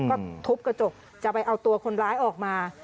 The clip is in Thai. ก็ทุบกระจกจะไปเอาตัวคนร้ายออกมา